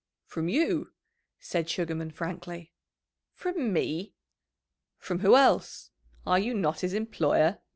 "From you," said Sugarman frankly. "From me?" "From whom else? Are you not his employer?